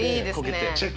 チェック。